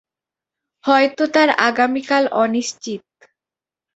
হয়তো তার আগামীকাল অনিশ্চিত।